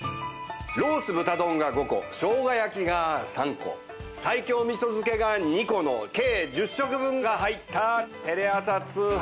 ロース豚丼が５個生姜焼きが３個西京味噌漬けが２個の計１０食分が入ったテレ朝通販限定セット。